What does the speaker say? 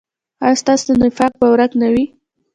ایا ستاسو نفاق به ورک نه وي؟